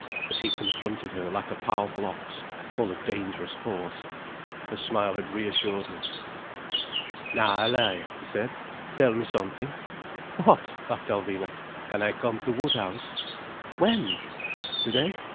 But he confronted her like a powerful ox, full of dangerous force. Her smile had reassured him. "Na, Allaye," he said, "tell me something." "What?" laughed Alvina. "Can I come to Woodhouse?" "When?" "Today.